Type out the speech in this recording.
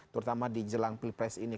terutama di jelang pilpres ini